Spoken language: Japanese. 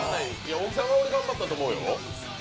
大木さんは頑張ったと思うよ。